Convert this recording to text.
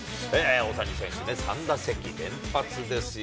大谷選手ね、３打席連発ですよ。